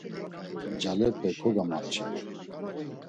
Ncalepe kogamapç̌at.